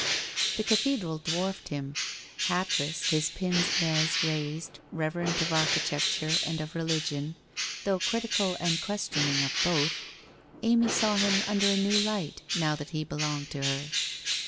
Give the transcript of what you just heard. The cathedral dwarfed him. Hatless, his pince nez raised, reverent of architecture and of religion, though critical and questioning of both, Amy saw him under a new light, now that he belonged to her.